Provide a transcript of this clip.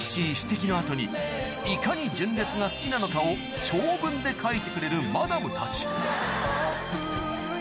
いかに純烈が好きなのかをで書いてくれるマダムたち